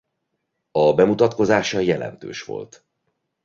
A bemutatkozása jelentős volt.